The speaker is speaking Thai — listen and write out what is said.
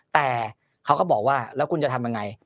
แต่เขาก็บอกว่าแล้วคุณจะทำยังไง